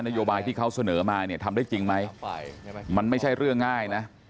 โยบายที่เขาเสนอมาเนี่ยทำได้จริงไหมมันไม่ใช่เรื่องง่ายนะ